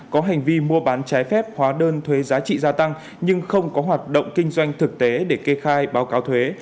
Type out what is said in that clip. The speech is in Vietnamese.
có hành vi mua bán trái phép hóa đơn thuế giá trị gia tăng nhưng không có hoạt động kinh doanh thực tế để kê khai báo cáo thuế